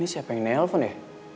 siapa yang nelfon ya